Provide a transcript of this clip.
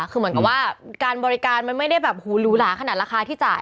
คือเหมือนกับว่าการบริการมันไม่ได้แบบหูหรูหลาขนาดราคาที่จ่าย